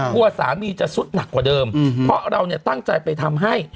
กลัวว่าสามีจะสุดหนักกว่าเดิมเราตั้งใจไปทำให้